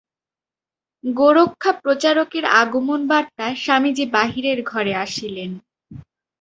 গোরক্ষা-প্রচারকের আগমন-বার্তা স্বামীজী বাহিরের ঘরে আসিলেন।